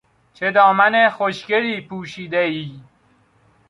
چه دامن خوشگلی پوشیدهای!